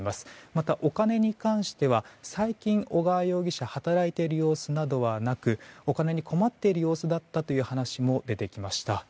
また、お金に関しては最近、小川容疑者働いている様子などはなくお金に困っている様子だったという話も出てきました。